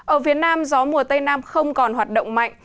ở phía nam gió mùa tây nam không còn hoạt động mạnh